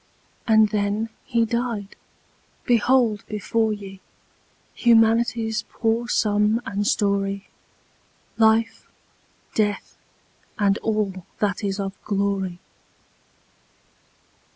And then he died! Behold before ye Humanity's poor sum and story; Life, Death, and all that is of glory.